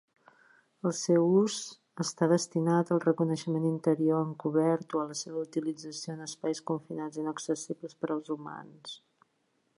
El seu ús està destinat al reconeixement interior encobert o a la seva utilització en espais confinats inaccessibles per als humans.